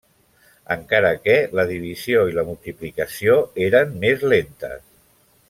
Encara que la divisió i la multiplicació eren més lentes.